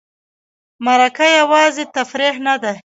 مرکه یوازې تفریح نه ده.